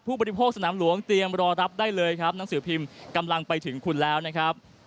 บริโภคสนามหลวงเตรียมรอรับได้เลยครับหนังสือพิมพ์กำลังไปถึงคุณแล้วนะครับ